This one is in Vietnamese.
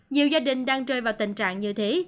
nhiều gia đình đang rơi vào tình trạng như thế